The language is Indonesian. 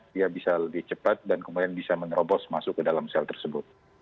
dia bisa lebih cepat dan kemudian bisa menerobos masuk ke dalam sel tersebut